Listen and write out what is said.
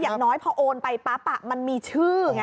อย่างน้อยพอโอนไปปั๊บมันมีชื่อไง